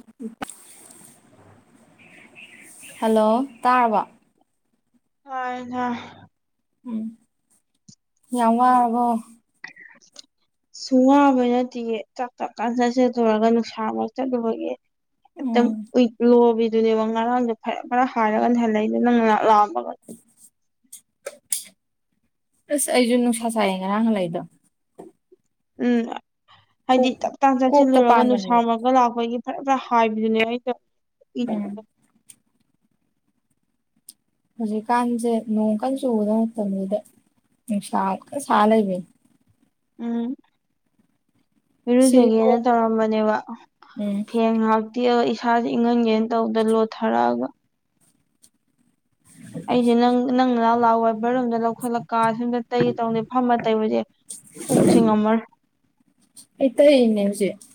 [inaudible] hello ꯇꯥꯔꯕ ꯍꯣꯏ ꯍ [unintelligible] ꯁꯨꯡ ꯋꯥꯕꯅꯗꯤ ꯆꯥꯛ ꯇꯥꯛꯀꯥꯟ ꯆꯠꯖꯗꯨꯔꯒ ꯅꯨꯡꯁꯥ ꯑꯃ ꯆꯠꯂꯨꯨꯔꯒꯤ ꯎꯝ ꯏꯂ ꯑꯗꯨꯅꯦꯕ ꯉꯔꯥꯡꯗꯨꯣ ꯐꯔ ꯈꯔ ꯍꯥꯏꯔꯒꯅ ꯍꯜꯂꯏꯗ ꯅꯪ ꯉꯥꯛ ꯂꯥꯛꯑꯃꯒ ꯑꯁ ꯑꯩꯁꯨ ꯅꯨꯡꯁꯥ ꯁꯥꯏꯌꯦ ꯉꯔꯥꯡ ꯍꯜꯂꯛꯏꯗꯣ ꯎꯝ ꯍꯥꯏꯗꯤ ꯀꯣꯛ ꯇꯞꯇꯥꯥꯟ ꯀꯣꯛꯇ ꯆꯥꯁꯤꯜꯂꯨꯔꯒ ꯄꯥꯟꯕꯅꯦꯕ ꯅꯨꯡꯁꯥꯔꯒ ꯂꯥꯛꯄꯒꯤ ꯐꯔ ꯈꯔ ꯍꯥꯏꯕꯗꯨꯅꯦ ꯎꯝ ꯑꯩꯩꯅꯅꯤꯡ ꯍꯧꯖꯤꯛꯀꯥꯟꯁꯦ ꯅꯣꯡ ꯀꯟꯅ ꯆꯨꯒꯗ ꯃꯇꯝꯗꯨꯗ ꯅꯨꯡꯁꯥ ꯀ ꯁꯥ ꯂꯩꯕꯅꯤ ꯎꯝ ꯁꯤ ꯏꯔꯨꯖꯒꯦꯅ ꯇꯧꯔꯝꯕꯅꯦꯕ ꯎꯝ ꯒꯦꯝ ꯉꯥꯛ ꯏꯁꯥꯁꯦ ꯏꯪꯍꯟꯒꯦꯅ ꯇꯧꯕꯗ ꯂꯣꯠꯊꯔꯛꯑꯒ ꯑꯩꯁꯦ ꯅꯪ ꯅꯪ ꯅ ꯂꯥꯛꯑꯣꯏ ꯕꯔꯣꯝꯗ ꯂꯧꯈꯠꯂꯛꯀ ꯁꯣꯝꯗ ꯇꯩ ꯇꯧꯗꯦ ꯐꯝꯃ ꯇꯩꯕꯁꯦ ꯄꯨꯛ ꯁꯤꯡꯉꯝꯃꯔꯣꯏ [unintelligible]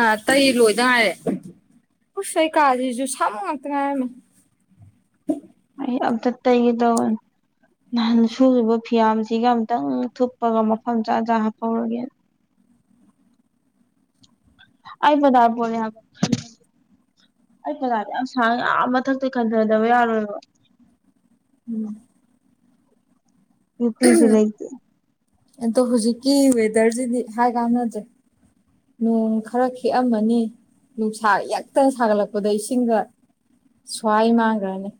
ꯑ ꯇꯩ ꯂꯣꯏꯗ ꯉꯥꯏꯔꯦ ꯎꯁ ꯀꯩꯀꯥꯁꯤꯁꯨ ꯁꯕ ꯉꯥꯛꯇ ꯉꯥꯏꯔꯝꯃꯦ ꯑꯩ ꯑꯝ ꯆ ꯇꯩꯒꯤꯗ ꯅꯍꯥꯟ ꯁꯨꯔꯤꯕ ꯐꯤꯌꯥꯝꯁꯤꯒ ꯑꯨꯇꯪ ꯊꯨꯞꯄꯒ ꯃꯐꯝ ꯆꯥ ꯆꯥ ꯍꯥꯞꯐꯧꯔꯒꯦꯅ [unintelligible] ꯑꯩ ꯄꯖꯥꯗꯤ ꯑꯁꯥ ꯌꯥꯝ ꯃꯊꯛꯇ ꯀꯟꯊꯗꯕ ꯌꯥꯔꯣꯏꯕ ꯎꯝ ꯌꯨ ꯄꯤꯁꯨ ꯂꯩꯇꯦ ꯑꯗꯣ ꯍꯧꯖꯤꯛꯀꯤ ꯋꯦꯗꯔꯁꯤꯗꯤ ꯍꯥꯏ ꯀꯥꯟꯅꯗ꯭ꯔꯦ ꯅꯣꯡ ꯈꯔ ꯦꯑꯝꯃꯅꯤ ꯅꯨꯡꯁꯥ ꯌꯦꯛꯇꯅ ꯁꯥꯒꯠꯂꯛꯄꯗ ꯏꯁꯤꯡꯒ ꯁ꯭ꯋꯥꯏ ꯃꯥꯡꯈ꯭ꯔꯅꯤ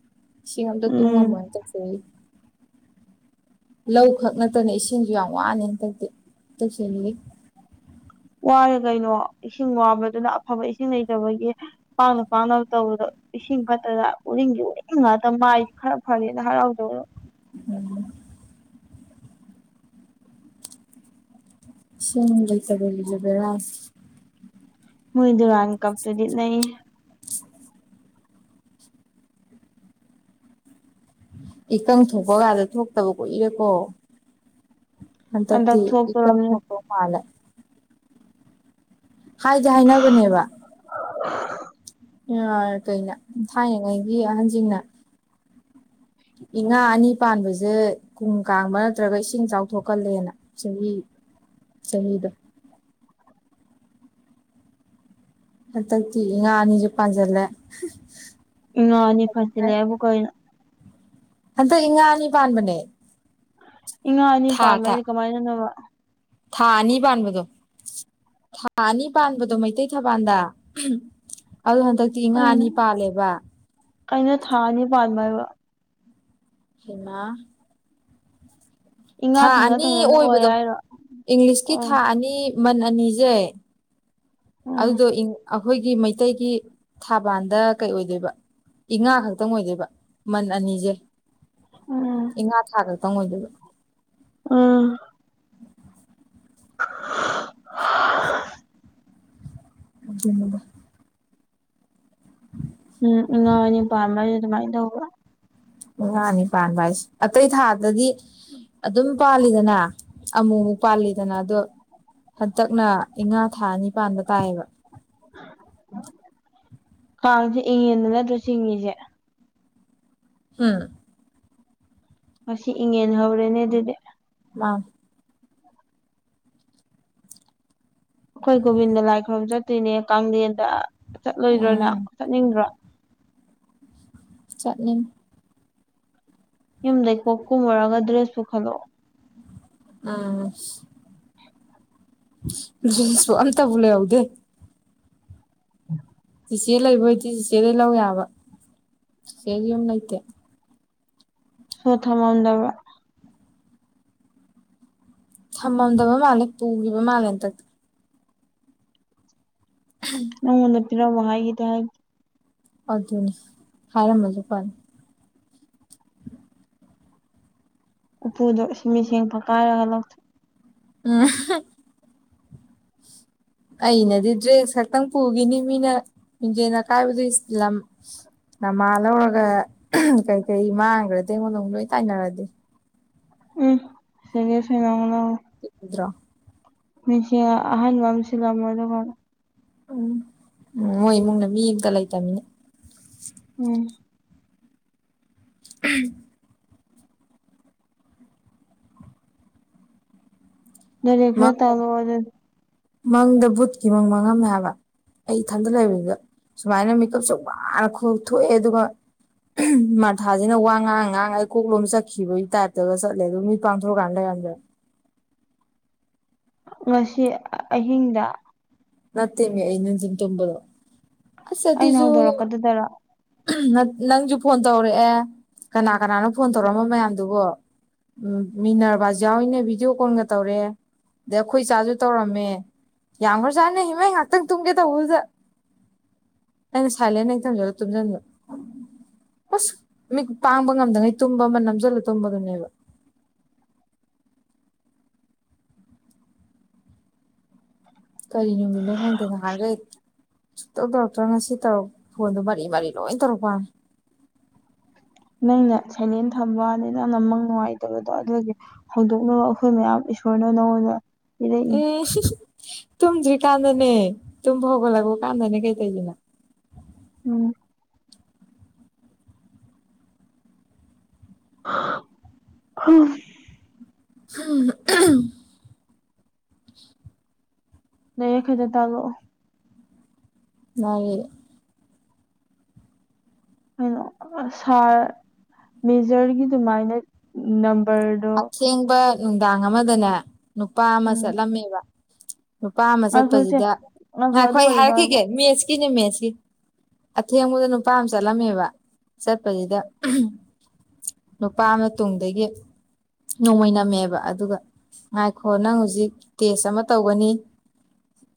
ꯏꯁꯤꯡ ꯑꯝꯇ ꯎꯝ ꯇꯨꯡꯉꯝꯃꯣꯏꯅ ꯇꯧꯁꯏ ꯂꯧ ꯈꯛ ꯅꯠꯇꯅ ꯏꯁꯤꯡꯁꯨ ꯌꯥꯝ ꯋꯥꯅꯦ ꯍꯟꯇꯛꯇ ꯇꯁꯜꯂꯤ ꯋꯥꯔꯦ ꯀꯩꯅꯣ ꯏꯁꯤꯡ ꯋꯥꯕꯗꯨꯅ ꯑꯐꯕ ꯏꯁꯤꯡ ꯂꯩꯇꯕꯒꯤ ꯄꯥꯛꯅ ꯄꯥꯛꯅꯕ ꯇꯧꯕꯗꯣ ꯏꯁꯤꯡ ꯈꯛꯇꯗ ꯎꯔꯤꯡꯗꯤ ꯎꯔꯤꯪ ꯉꯥꯛꯇ ꯃꯥꯏ ꯈꯔ ꯐꯔꯦꯅ ꯍꯔꯥꯎꯗꯕꯗꯣ ꯎꯝ [unintelligible] ꯃꯣꯏꯗꯨꯔꯥꯟ ꯀꯞꯇꯗꯤ ꯅ ꯏꯀꯪ ꯊꯣꯛꯄ ꯀꯥꯟꯗ ꯊꯣꯛꯇꯕ ꯀꯣꯏꯔꯦꯀꯣ ꯅꯇ ꯍꯟꯗꯛ ꯇꯤ ꯏꯀ ꯊꯣꯛꯇꯣꯔꯝꯅꯤ ꯅꯠꯇꯣ ꯃꯥꯂ ꯍꯥꯏꯖ ꯍꯥꯏꯅꯕꯅꯦꯕ [unintelligible] ꯀꯩꯅ ꯊꯥꯏꯅꯉꯥꯏꯒꯤ ꯑꯍꯟꯁꯤꯡꯅ ꯏ ꯉꯥ ꯑꯅꯤ ꯄꯥꯟꯕꯁꯦ ꯀꯨꯝ ꯀꯥꯡꯕ ꯅꯠꯇ꯭ꯔꯒ ꯏꯁꯤꯡ ꯆꯥꯎꯊꯣꯛꯀꯜꯂꯦꯅ ꯁꯍꯤ ꯁꯍꯤꯗ ꯍꯟꯇꯛꯇꯤ ꯏꯉꯥ ꯅꯤꯡꯖꯤ ꯄꯥꯟꯖꯜꯂꯦ ꯉꯅꯤ ꯐꯁꯤ ꯂꯩꯦꯕꯨ ꯀꯅ ꯍꯟꯇꯛ ꯏꯉꯥ ꯑꯅꯤ ꯄꯥꯟꯕꯅꯦ ꯏꯉꯥ ꯑꯅꯤ ꯄꯥꯟꯕꯩꯗꯤ ꯀꯃꯥꯏꯅꯅꯣ ꯊꯥꯅꯤ ꯄꯥꯟꯕꯗꯣ ꯊꯥ ꯑꯅꯤ ꯄꯥꯟꯕꯗꯣ ꯃꯩꯇꯩ ꯊꯕꯥꯜꯗ ꯑꯗꯨ ꯍꯟꯗꯛ ꯏꯉꯥ ꯑꯅꯤ ꯄꯥꯜꯂꯦꯕ ꯑꯩꯅ ꯊꯥ ꯑꯅꯤ ꯄꯥꯟꯕ ꯍꯥꯏꯕ ꯍꯤꯃꯥ ꯏꯉꯥ ꯊꯥ ꯊꯪꯅ ꯑꯅꯤ ꯊꯪꯅꯅ ꯑꯣꯏ ꯑꯣꯏꯕꯗꯣ ꯍꯥꯏꯔꯣ ꯏꯪꯂꯤꯁꯀꯤ ꯎꯝ ꯊꯥ ꯑꯅꯤ ꯃꯟ ꯑꯅꯤꯁꯦ ꯎꯝ ꯑꯗꯨꯗꯣ ꯑꯩꯈꯣꯏꯒꯤ ꯃꯩꯇꯩꯒꯤ ꯊꯥꯕꯥꯜꯗ ꯀꯩ ꯑꯣꯏꯗꯣꯏꯕ ꯏ ꯉꯥ ꯈꯛꯇꯪ ꯑꯣꯏꯗꯣꯏꯕ ꯃꯟ ꯑꯅꯤꯁꯦ ꯎꯝ ꯏꯉꯥ ꯊꯥ ꯈꯛꯇꯪ ꯑꯣꯏꯗꯣꯏꯕ ꯑꯣ [inaudible] ꯑꯜ [unintelligible] ꯉꯥꯅꯤ ꯄꯥꯟꯕ ꯍꯥꯏꯁ ꯑꯇꯩ ꯊꯥꯗꯗꯤ ꯑꯗꯨꯝ ꯄꯥꯜꯂꯤꯗꯅ ꯑꯃꯨꯛ ꯑꯃꯨꯛ ꯄꯥꯜꯂꯤꯗꯅ ꯑꯗꯣ ꯍꯟꯇꯛꯅ ꯏꯉꯥ ꯊꯥꯅꯤꯄꯥꯟꯗ ꯇꯥꯏꯌꯦꯕ ꯀꯥꯡꯁꯦ ꯏꯪꯉꯦꯗ ꯅꯠꯇ꯭ꯔꯣ ꯆꯤꯡꯉꯁꯦ ꯍꯝ ꯏꯪꯉꯦꯟ ꯍꯧꯔꯦꯅꯦ ꯑꯗꯨꯗꯤ ꯑ ꯑꯩꯈꯣꯏ ꯒꯣꯕꯤꯟꯗ ꯂꯥꯏ ꯈꯨꯔꯕꯝ ꯆꯠꯇꯣꯏꯅꯦ ꯀꯂꯦꯟꯗ ꯆꯠꯂꯣꯏꯗ꯭ꯔꯣꯅ ꯎꯝ ꯆꯠꯅꯤꯡꯗ꯭ꯔꯣ ꯆꯠꯅꯤꯡ ꯌꯨꯝꯗꯒꯤ ꯀꯣꯛ ꯀꯨꯝꯃꯔꯒ ꯗ꯭ꯔꯦꯁꯁꯨ ꯄꯨꯈꯠꯂꯛꯑꯣ ꯎꯝ [unintelligible] ꯑꯁ ꯑꯝꯇꯕꯨ ꯂꯩꯍꯧꯗꯦ ꯎꯝ ꯏꯤꯆꯦ ꯂꯩꯕꯣꯏꯗꯤ ꯆꯤꯆꯦꯗꯩ ꯂꯧ ꯌꯥꯕ ꯆꯤꯆꯦ ꯌꯨꯝ ꯂꯩꯇꯦ [unintelligible] ꯊꯝꯃꯝꯗꯕ ꯃꯥꯜꯂꯦ ꯄꯨꯈꯤꯕ ꯃꯥꯜꯂꯦꯇꯗꯤ ꯎꯝ ꯅꯪꯉꯣꯟꯗ ꯄꯤꯔꯣ ꯋꯥ ꯍꯥꯏꯗꯤ ꯍꯥꯏ ꯑꯗꯨꯅꯤ ꯍꯥꯏꯔꯝꯃꯁꯨ ꯐꯅꯤ ꯎꯄꯨꯗꯣ ꯁꯤꯃꯤꯁꯤꯡꯦꯡ ꯄꯛ ꯀꯥꯏꯔꯒ ꯂꯧꯊꯣꯛ [unintelligible] ꯑꯩꯅꯗꯤ ꯗ꯭ꯔꯦꯁ ꯈꯛꯇꯪ ꯄꯨꯈꯤꯅꯤ ꯃꯤꯅ ꯃꯤꯤꯡꯖꯦꯜ ꯑꯀꯥꯏꯕꯗꯨꯂꯝ ꯅꯃꯥ ꯂꯧꯔꯒ ꯀꯩꯀꯩ ꯃꯥꯡꯈ꯭ꯔꯗꯤ ꯑꯩꯉꯣꯟꯗ ꯑꯃꯛ ꯂꯣꯏ ꯇꯥꯏꯅꯔꯗꯤ ꯎꯝ ꯁꯤꯒꯦ ꯁꯅꯉꯅ ꯗ꯭ꯔꯣ [unintelligible] ꯎꯝ ꯎꯝ ꯃꯣꯏ ꯏꯃꯨꯡꯅ ꯃꯤ ꯑꯝꯇ ꯂꯩꯇꯅꯤꯅ ꯎꯝ [unintelligible] ꯅ ꯗꯦꯅ ꯃꯪꯗ ꯆꯥꯂꯣꯋꯥꯗꯦ ꯃꯪꯗ ꯕꯨꯠꯀꯤ ꯃꯪ ꯃꯥꯡꯉꯝꯃꯦꯕ ꯑꯩ ꯏꯊꯟꯗ ꯂꯩꯕꯅꯤꯗ ꯁꯨꯃꯥꯏꯅ ꯃꯦꯀꯞ ꯆ ꯋꯥꯅ ꯊꯣꯛꯑꯦ ꯑꯗꯨꯒ ꯃꯊꯥꯁꯤꯅ ꯋꯥ ꯉꯥꯡ ꯉꯥꯡ ꯑꯩ ꯀꯣꯛꯂꯣꯝ ꯆꯠꯈꯤꯕꯒꯤ ꯇꯥꯏꯞꯇꯒ ꯆꯠꯂꯦ ꯑꯣ ꯃꯤ ꯄꯥꯡꯊꯣꯔꯛꯀꯥꯟꯗ ꯂꯩꯔꯝꯗ꯭ꯔ ꯉꯁꯤ ꯑꯍꯤꯡꯗ ꯅꯠꯇꯦꯃꯦ ꯏꯅꯣꯁꯤꯟ ꯇꯣꯝꯕꯗꯨ ꯑꯁ ꯑꯩꯅ ꯑꯗꯨꯁꯨ ꯍꯧꯗꯣꯔꯛꯀꯗꯨꯗꯔ ꯅꯪꯁꯨ ꯐꯣꯟ ꯇꯧꯔꯛꯑꯦ ꯀꯅꯥ ꯀꯅꯥꯅꯣ ꯐꯣꯟ ꯇꯧꯔꯝꯕ ꯃꯌꯥꯝꯗꯨꯕꯣ ꯎꯝ ꯃꯤꯅꯕꯥꯖꯌꯥꯅ ꯚꯤꯗꯤꯑꯣ ꯀꯣꯜꯒ ꯇꯧꯔꯦ ꯑꯗꯩ ꯑꯩꯈꯣꯏ ꯆꯥꯁꯨ ꯇꯧꯔꯝꯃꯦ ꯌꯥꯝꯈ꯭ꯔ ꯆꯥꯅ ꯍꯤꯃꯥꯏ ꯉꯥꯏꯍꯥꯛꯇꯪ ꯇꯨꯝꯒꯦ ꯇꯧꯕꯗꯨꯗ ꯑ ꯁꯥꯏꯦꯅ ꯊꯖꯂ ꯊꯖꯣ ꯑꯁ ꯃꯤ ꯄꯥꯡꯕ ꯉꯝꯗꯉꯩ ꯇꯨꯝꯕ ꯑꯃ ꯅꯝꯁꯤꯜꯂ ꯇꯨꯝꯕꯗꯨꯅꯦꯕ ꯀꯔꯤꯅꯃꯤꯅꯣ ꯈꯪꯗꯦ ꯅꯍꯟꯒꯩ ꯁꯨꯛꯇꯧ ꯗꯣꯛꯇꯔ ꯉꯁꯤ ꯇꯧꯔꯛ ꯐꯣꯟꯗꯣ ꯃꯔꯤ ꯃꯔꯤ ꯂꯣꯏ ꯇꯧꯔꯛꯄꯅꯤ ꯅꯪꯅ ꯁꯩꯂꯦꯟ ꯊꯝꯕ ꯑ ꯅ ꯅꯃꯪ ꯅꯨꯡꯉꯥꯏꯇꯕꯗꯣ ꯑꯗꯨꯒꯤ ꯍꯧꯗꯣꯛꯅꯕ ꯑꯩꯈꯣꯏ ꯃꯌꯥꯝ ꯏꯁꯣꯔꯅ ꯅꯉꯣꯟꯗ ꯄꯤꯔꯛꯏ ꯎꯝ ꯇꯨꯝꯗ꯭ꯔꯤ ꯀꯥꯟꯗꯅꯦ ꯇꯨꯝꯕ ꯍꯧꯒꯠꯂꯛꯄ ꯀꯥꯟꯗꯅꯦ ꯀꯩꯇꯧꯗꯅ ꯎꯝ ꯍꯝ ꯍꯝ ꯂꯩ ꯈꯩꯗꯦ ꯇꯥꯛꯂꯛꯑꯣ ꯅꯦ ꯀꯩꯅꯣ ꯁꯥꯔ ꯃꯦꯖꯔꯒꯤ ꯑꯗꯨꯃꯥꯏꯅ ꯅꯝꯕꯔꯗꯣ ꯑꯊꯦꯡꯕ ꯅꯨꯡꯗꯥꯡ ꯑꯃꯗꯅꯦ ꯅꯨꯄꯥ ꯑꯃ ꯎꯝ ꯆꯠꯂꯝꯃꯦꯕ ꯅꯨꯄꯥ ꯑꯃ ꯉꯥꯏꯈꯣꯁꯦ ꯆꯠꯄꯁꯤꯗ ꯉꯥꯏꯈꯣ ꯑꯗꯨ ꯑꯩ ꯑꯣꯏꯔꯗꯤ ꯉꯥꯏꯈꯣ ꯍꯥꯏꯔꯛꯈꯤꯒꯦ ꯃꯦꯠꯁꯀꯤꯅꯦ ꯃꯦꯠꯁꯀꯤ ꯑꯊꯦꯡꯕꯗ ꯅꯨꯄꯥ ꯑꯃ ꯆꯠꯂꯝꯃꯦꯕ ꯆꯠꯄꯁꯤꯗ ꯅꯨꯄꯥ ꯑꯃ ꯇꯨꯡꯗꯒꯤ ꯅꯣꯡꯃ ꯅꯝꯃꯦꯕ ꯑꯗꯨꯒ ꯍꯥꯏꯈꯣ ꯅꯪ ꯍꯧꯖꯤꯛ ꯇꯦꯁ ꯑꯃ ꯇꯧꯒꯅꯤ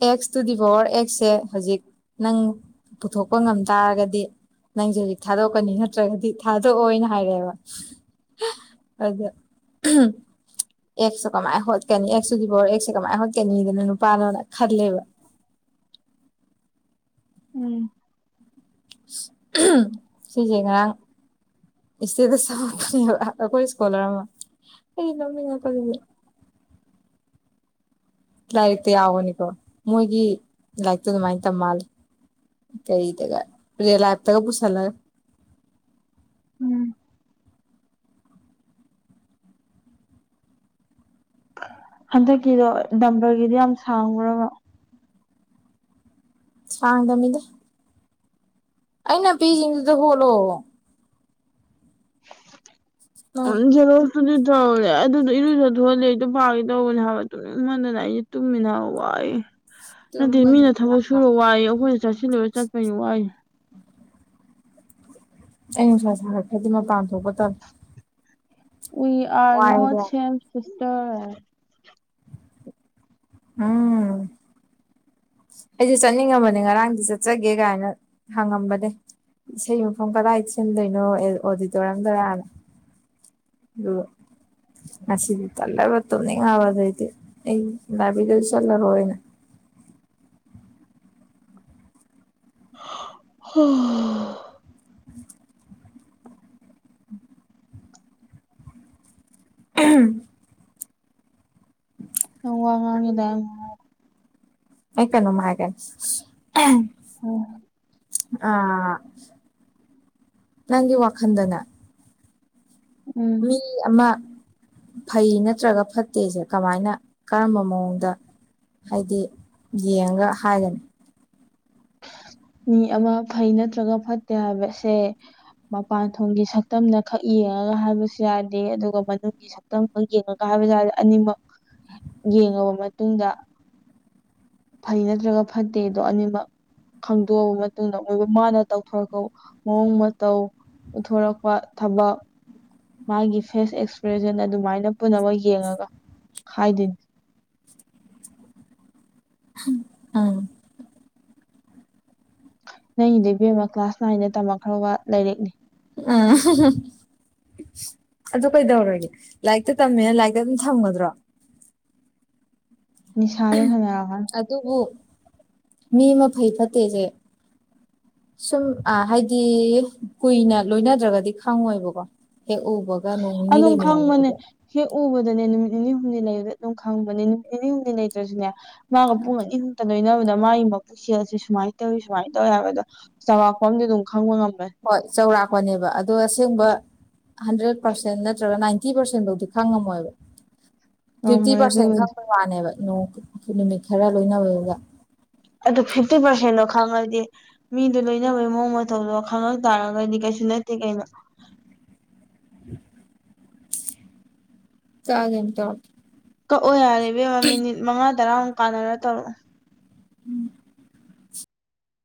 ꯑꯦꯛꯁ ꯇꯨ ꯗꯤ ꯄꯋꯥꯔ ꯑꯦꯛꯁꯁꯦ ꯍꯧꯖꯤꯛ ꯅꯪ ꯄꯨꯊꯣꯛꯄ ꯉꯝ ꯇꯥꯔꯒꯗꯤ ꯅꯪꯁꯦ ꯍꯧꯖꯤꯛ ꯊꯥꯗꯣꯛꯀꯅꯤ ꯅꯠꯇ꯭ꯔꯒꯗꯤ ꯊꯥꯗꯣꯛꯑꯣꯅ ꯍꯥꯏꯔꯛꯑꯦꯕ ꯑꯗ ꯎꯝ ꯑꯦꯛꯁ ꯀꯃꯥꯏꯅ ꯍꯣꯠꯀꯅꯤ ꯑꯦꯛꯁꯇꯨꯗꯤ ꯕꯣꯔ ꯑꯦꯛꯁꯦ ꯀꯃꯥꯏꯅ ꯍꯣꯠꯀꯅꯤꯗꯅ ꯅꯨꯄꯥꯅꯣꯅ ꯈꯜꯂꯦꯕ ꯎꯝ ꯁꯤꯖꯤꯦ ꯉꯥꯡ ꯏꯁꯦꯗꯕ ꯑꯩꯈꯣꯏ ꯏꯁꯀꯣꯂꯔ ꯑꯃ ꯑꯩ ꯂꯧꯅꯤꯡꯉ ꯀ ꯂꯥꯏꯔꯤꯛꯇ ꯌꯥꯎꯒꯅꯤꯀꯣ ꯃꯣꯏꯒꯤ ꯂꯥꯏꯔꯤꯛꯇꯣ ꯑꯗꯨꯃꯥꯏꯅ ꯇꯝ ꯃꯥꯜꯂꯦ ꯀꯩ ꯇꯒꯥꯏ ꯔꯦꯜ ꯂꯥꯏꯐꯇꯒ ꯄꯨꯁꯂ ꯎꯝ ꯍꯟꯗꯛꯀꯤꯗꯣ ꯗꯝꯕꯔꯒꯤꯗꯤ ꯌꯥꯝ ꯁꯥꯡꯈ꯭ꯔꯕ ꯁꯥꯡꯗ ꯃꯤꯗ ꯑꯩꯅꯄꯤꯁꯤꯡꯗꯨꯗ ꯍꯣꯜꯂꯣꯑꯣ ꯅꯪ ꯪꯔꯣꯇꯨꯗꯤ ꯇꯧꯔꯦ ꯑꯗꯨꯗꯤ ꯏꯔꯨꯗ ꯊ ꯍꯜꯂꯦ ꯑꯩꯗꯣ ꯄꯥꯒꯦ ꯇꯧꯕꯅꯦ ꯍꯥꯏꯕꯗꯨꯣ ꯃꯅꯅ ꯇꯨꯝꯃꯤꯅꯥ ꯍ ꯅꯠꯇꯦ ꯃꯤꯅ ꯀꯩꯗꯧꯔꯒꯦ ꯊꯕꯛ ꯌꯥꯝ ꯁꯨꯔ ꯋꯥꯏ ꯑꯩꯈꯣꯏꯅ ꯆꯠꯁꯤꯜꯂꯨꯔ ꯆꯠꯄꯅꯤ ꯋꯥꯏ ꯑꯩ ꯅꯨꯡꯁꯥ ꯁꯥꯔꯛꯈ꯭ꯔꯗꯤ ꯃꯄꯥꯟ ꯊꯣꯛꯄ ꯇꯝ ꯋꯥꯏꯕ ꯌꯥꯝ [unintelligible] ꯎꯝ ꯑꯩꯁꯨ ꯆꯠꯅꯤꯡꯉꯝꯕꯅꯦ ꯉꯔꯥꯡꯗꯤ ꯆꯠꯆꯒꯦ ꯀꯥꯏꯅ ꯍꯪꯉꯝꯕꯅꯦ ꯏꯁꯩ ꯃꯐꯝ ꯀꯗꯥꯏ ꯆꯤꯟꯗꯣꯏꯅꯣ ꯑꯣꯗꯤꯇꯣꯔꯤꯌꯝꯗꯔꯥꯅ ꯑ ꯍꯁꯤꯗꯂꯕꯠꯇꯣꯅꯤ ꯍꯥꯋꯥꯗꯥꯏꯗꯤ ꯑꯩ ꯂꯗꯥꯕꯤꯗꯜꯁꯂ ꯔꯣꯑꯅ [unintelligible] [unintelligible] [unintelligible] ꯑꯩꯀꯅꯃꯒꯦ ꯑꯣ ꯑ ꯅꯪꯒꯤ ꯋꯥꯈꯟꯗꯅ ꯎꯝ ꯃꯤ ꯑꯃ ꯐꯩ ꯅꯠꯇ꯭ꯔꯒ ꯐꯠꯇꯦꯁꯦ ꯀꯃꯥꯏꯅ ꯀꯔꯝꯕ ꯃꯑꯣꯡꯗ ꯍꯥꯏꯗꯤ ꯌꯦꯡꯉꯒ ꯍꯥꯏꯒꯅꯤ ꯃꯤ ꯑꯃ ꯐꯩ ꯅꯠꯇ꯭ꯔꯒ ꯐꯠꯇꯦ ꯍꯥꯏꯕꯁꯦ ꯃꯄꯥꯟꯊꯣꯡꯒꯤ ꯁꯛꯇꯝꯅ ꯈꯛ ꯌꯦꯡꯉꯒ ꯍꯥꯏꯕꯁꯨ ꯌꯥꯗꯦ ꯑꯗꯨꯒ ꯃꯅꯨꯡꯒꯤ ꯁꯛꯇꯝ ꯈꯔ ꯌꯦꯡꯉꯒ ꯍꯥꯏꯕꯁꯥꯗ ꯑꯅꯤꯃꯛ ꯌꯦꯡꯉꯕ ꯃꯇꯨꯡꯗ ꯐꯩ ꯅꯠꯇ꯭ꯔꯒ ꯐꯠꯇꯦꯗꯣ ꯑꯅꯤꯃꯛ ꯈꯪꯗꯣꯛꯑꯕ ꯃꯇꯨꯡꯗ ꯃꯣꯏꯕꯨ ꯃꯥꯅ ꯇꯧꯊꯣꯔꯛꯄ ꯃꯑꯣꯡ ꯃꯇꯧ ꯎꯊꯣꯔꯛꯄ ꯊꯕꯛ ꯃꯥꯒꯤ ꯐꯦꯁ ꯑꯦꯛꯁꯄ꯭ꯔꯦꯁꯟ ꯑꯗꯨꯃꯥꯏꯅ ꯄꯨꯝꯅꯃꯛ ꯌꯦꯡꯉꯒ ꯍꯥꯏꯗꯣꯏꯅꯤ ꯑꯝ ꯅꯪ ꯏꯗꯕꯤꯦꯝ ꯑꯃ ꯀ꯭ꯂꯥꯁ ꯅꯥꯏꯟꯗ ꯇꯝꯃꯛꯈ꯭ꯔ ꯋꯥ ꯂꯥꯏꯔꯤꯛꯅꯤ ꯑ ꯑꯗꯨ ꯀꯩꯗꯧꯔꯒꯦ ꯂꯥꯏꯔꯤꯛꯇ ꯇꯝꯃꯦꯅ ꯂꯥꯏꯔꯤꯛꯇ ꯑꯗꯨꯝ ꯊꯝꯒꯗ꯭ꯔꯣ ꯅꯤꯁꯥꯗ ꯁꯅ ꯍꯥꯏ ꯑꯗꯨꯕꯨ ꯃꯤ ꯑꯃ ꯐꯩ ꯐꯠꯇꯦꯁꯦ ꯁꯨꯝ ꯑ ꯍꯥꯏꯗꯤ ꯀꯨꯏꯅ ꯂꯣꯏꯅꯗ꯭ꯔꯒꯗꯤ ꯈꯪꯉꯣꯏꯕꯀꯣ ꯍꯦꯛ ꯎꯕꯒ ꯅꯣꯡ ꯅꯤꯅꯤ ꯑꯗꯨꯝ ꯈꯪꯕꯅꯦ ꯂꯩꯃꯤꯟꯅꯅꯤꯗꯦ ꯍꯦꯛ ꯎꯕꯗꯅꯦ ꯅꯨꯃꯤꯠ ꯅꯤꯅꯤ ꯍꯨꯝꯅꯤ ꯂꯩꯕꯗ ꯑꯗꯨꯝ ꯈꯪꯕꯅꯦ ꯅꯨꯃꯤꯠ ꯅꯤꯅꯤ ꯍꯨꯝꯅꯤ ꯂꯩꯇ꯭ꯔꯁꯨꯅꯦ ꯃꯥꯒ ꯄꯨꯡꯉꯛ ꯏꯪ ꯍꯛꯇꯗꯣꯏꯅꯕꯗ ꯃꯥꯒꯤ ꯏꯆꯦꯠ ꯑꯁꯤ ꯁꯨꯃꯥꯏꯅ ꯇꯧꯋꯤ ꯁꯨꯃꯥꯏꯅ ꯇꯧꯋꯤ ꯍꯥꯏꯕ ꯑꯗꯣ ꯆꯥꯎꯔꯥꯛꯄꯗꯤ ꯑꯗꯨꯝ ꯈꯪꯕ ꯉꯝꯃꯦ ꯍꯣꯏ ꯆꯥꯎꯧꯔꯥꯛꯄꯅꯦꯕ ꯑꯗꯣ ꯑꯁꯦꯡꯕ ꯍꯟꯗ꯭ꯔꯦꯠ ꯄꯥꯔꯁꯦꯟ ꯅꯠꯇ꯭ꯔꯒ ꯅꯥꯏꯟꯇꯤ ꯄꯥꯔꯁꯦꯟꯐꯥꯎꯗꯤ ꯈꯪꯉꯝꯃꯣꯏꯕ ꯐꯤꯐꯇꯤ ꯉꯝꯃꯣꯏ ꯄꯥꯔꯁꯦꯟ ꯑꯗꯨꯕꯨꯗꯤ ꯈꯪꯕ ꯋꯥꯅꯦꯕꯣꯡ ꯅꯨꯃꯤꯠ ꯈꯔ ꯂꯣꯏꯅꯕꯒ ꯑꯗꯨ ꯐꯤꯐꯇꯤ ꯄꯥꯔꯁꯦꯟꯗꯣ ꯈꯪꯉꯗꯤ ꯃꯤꯗꯨꯣ ꯂꯣꯏꯅꯕꯒꯤ ꯃꯑꯣꯡ ꯃꯇꯧꯗꯣ ꯈꯪꯉꯛ ꯇꯥꯔꯒꯣꯏꯗꯤ ꯀꯩꯁꯨ ꯅꯠꯇꯦ ꯀꯩꯅꯣ ꯆꯦꯦꯟ ꯇ ꯀꯛꯑꯣ ꯌꯥꯔꯦꯕꯦꯝꯕ ꯃꯤꯅꯤꯠ ꯃꯉꯥ ꯇꯔꯥꯃꯨꯛ ꯀꯥꯟꯅꯔ ꯇꯧꯔꯛꯑꯣ ꯎꯝ